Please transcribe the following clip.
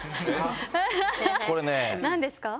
何ですか？